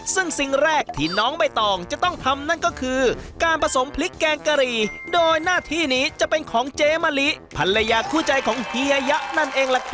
ซึ่งสิ่งแรกที่น้องใบตองจะต้องทำนั่นก็คือการผสมพริกแกงกะหรี่โดยหน้าที่นี้จะเป็นของเจ๊มะลิภรรยาคู่ใจของเฮียยะนั่นเองล่ะครับ